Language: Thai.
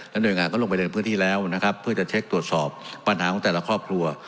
หน่วยงานก็ลงไปเดินพื้นที่แล้วนะครับเพื่อจะเช็คตรวจสอบปัญหาของแต่ละครอบครัว